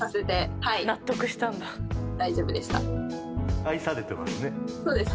愛されてますね。